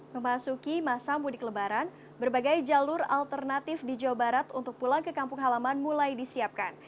memasuki masa mudik lebaran berbagai jalur alternatif di jawa barat untuk pulang ke kampung halaman mulai disiapkan